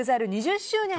２０周年